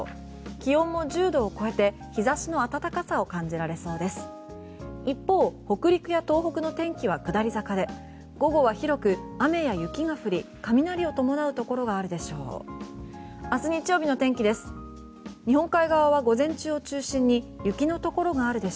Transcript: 気温も１０度を超えて日差しの暖かさを感じられそうです。